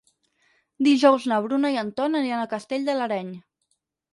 Dijous na Bruna i en Ton aniran a Castell de l'Areny.